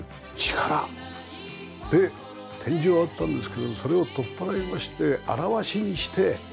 で天井があったんですけどそれを取っ払いまして現しにして。